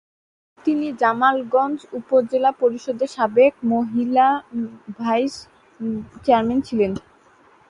তিনি জামালগঞ্জ উপজেলা পরিষদের সাবেক মহিলা ভাইস চেয়ারম্যান ছিলেন।